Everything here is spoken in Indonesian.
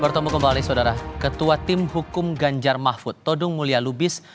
bertemu kembali saudara ketua tim hukum ganjar mahfud todung mulia lubis